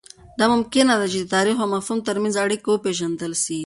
دا ممکنه ده چې د تاریخ او مفهوم ترمنځ اړیکه وپېژندل سي.